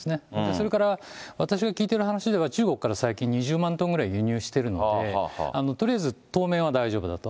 それから私が聞いている話では、中国から最近、２０万トンぐらい輸入してるので、とりあえず当面は大丈夫だと。